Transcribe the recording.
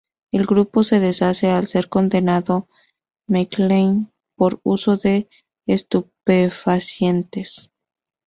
El grupo se deshace al ser condenado McLean por uso de estupefacientes.